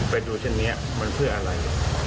แทงอย่างเดียวเลย